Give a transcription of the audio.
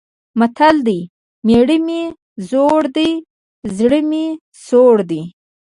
متل دی: مېړه مې زوړ دی، زړه مې سوړ دی.